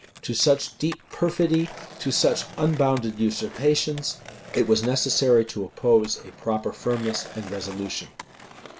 To such deep perfidy, to such unbounded usurpations, it was necessary to oppose a proper firmness and resolution.